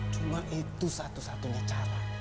cuma itu satu satunya cara